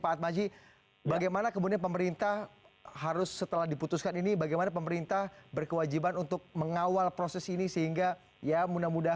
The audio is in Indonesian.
pak atmaji bagaimana kemudian pemerintah harus setelah diputuskan ini bagaimana pemerintah berkewajiban untuk mengawal proses ini sehingga ya mudah mudahan